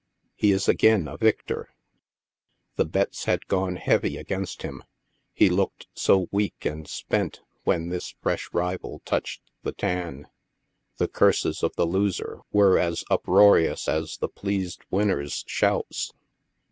He is again a victor ! The bets had gone heavy against him, he looked so weak and spent when this fresh rival touched the tan. The curses of the losers were as uproarious as the pleased winners' shouts.